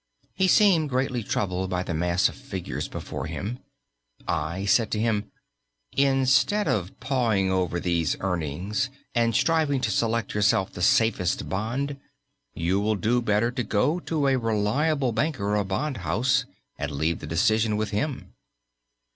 He seemed greatly troubled by the mass of figures before him. I said to him: "Instead of pawing over these earnings and striving to select yourself the safest bond, you will do better to go to a reliable banker or bond house and leave the decision with him."